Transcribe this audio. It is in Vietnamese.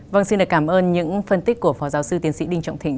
vâng xin được cảm ơn những phân tích của phó giáo sư tiến sĩ đinh trọng thịnh